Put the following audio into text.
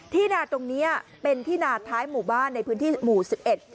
นาตรงเนี้ยเป็นที่นาท้ายหมู่บ้านในพื้นที่หมู่สิบเอ็ด